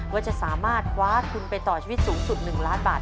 ว่าจะสามารถคว้าทุนไปต่อชีวิตสูงสุด๑ล้านบาท